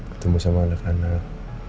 ketemu sama anak anak